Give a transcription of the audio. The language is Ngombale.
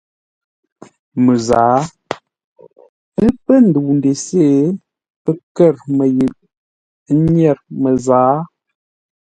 Məzǎa. Ə́ pə́ ndəu ndesé, pə́ kə̂r məyʉʼ, ə́ nyêr məzǎa.